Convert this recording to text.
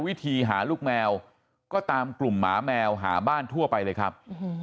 วิธีหาลูกแมวก็ตามกลุ่มหมาแมวหาบ้านทั่วไปเลยครับ